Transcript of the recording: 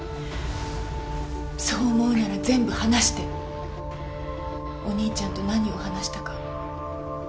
そう思うなら全部話してお兄ちゃんと何を話したか。